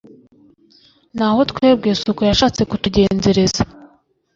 naho twebwe si uko yashatse kutugenzereza